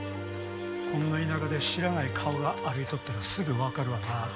こんな田舎で知らない顔が歩いとったらすぐわかるわな。